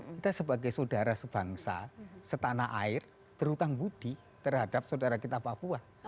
kita sebagai saudara sebangsa setanah air berhutang budi terhadap saudara kita papua